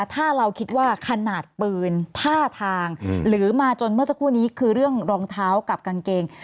ถ้าเราคิดว่าขนาดปืนท่าทางหรือมาจนเมื่อสักครู่นี้คือเรื่องรองเท้ากับกางเกง